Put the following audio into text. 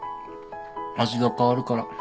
味が変わるから。